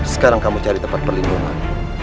sekarang kamu cari tempat perlindungan